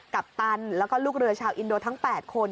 ปตันแล้วก็ลูกเรือชาวอินโดทั้ง๘คน